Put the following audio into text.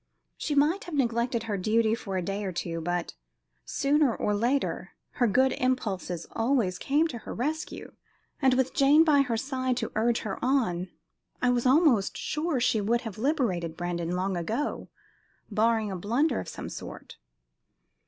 She might have neglected her duty for a day or two, but, sooner or later, her good impulses always came to her rescue, and, with Jane by her side to urge her on, I was almost sure she would have liberated Brandon long ago barring a blunder of some sort.